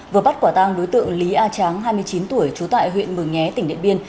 vừa bắt quả tang đối tượng lý a tráng hai mươi chín tuổi trú tại huyện mường nhé tỉnh điện biên